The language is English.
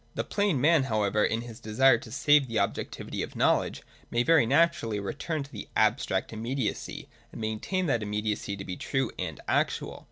The plain man, however, in his desire to save the objectivity of knowledge, may very naturally return to abstract immediacy, and maintain that immediacy to be true and actual.